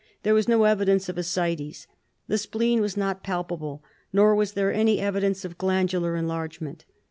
There was no evidence of ascites. The spleen was not palpable, nor was there any evidence of glandular enlargement.